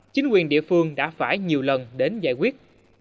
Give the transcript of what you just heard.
chính quyền địa phương đã phải nhiều lần đến giải quyết